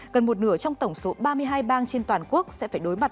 gần một nửa trong tổng số ba mươi hai bang trên toàn quốc sẽ phải đối mặt